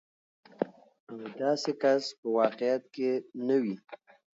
او داسې کس په واقعيت کې نه وي.